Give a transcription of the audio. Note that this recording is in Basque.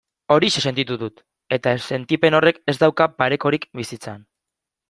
Horixe sentitu dut, eta sentipen horrek ez dauka parekorik bizitzan.